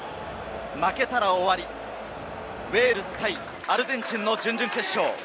負けたら終わり、ウェールズ対アルゼンチンの準々決勝。